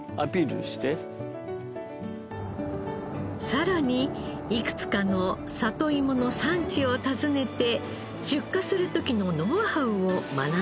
さらにいくつかの里いもの産地を訪ねて出荷する時のノウハウを学んだのです。